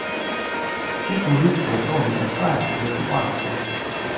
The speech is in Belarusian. Ці ж мужыцкая кроў не такая, як і панская?